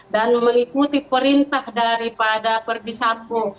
dan mengikuti perintah daripada ferdi sambo